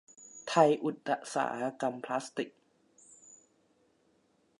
ไทยอุตสาหกรรมพลาสติก